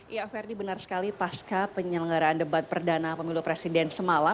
ya ferdi benar sekali pasca penyelenggaraan debat perdana pemilu presiden semalam